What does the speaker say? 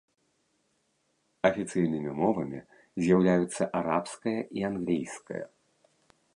Афіцыйнымі мовамі з'яўляюцца арабская і англійская.